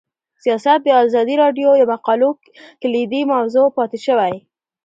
سیاست د ازادي راډیو د مقالو کلیدي موضوع پاتې شوی.